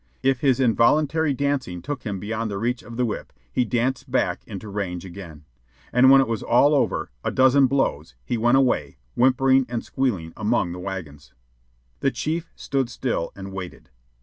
If his involuntary dancing took him beyond the reach of the whip, he danced back into range again. And when it was all over a dozen blows he went away, whimpering and squealing, among the wagons. The chief stood still and waited.